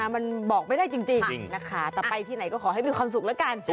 มันบอกไม่ได้จริงนะคะแต่ไปที่ไหนก็ขอให้มีความสุขแล้วกัน